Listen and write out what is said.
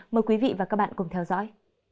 mời quý vị và các bạn cùng theo dõi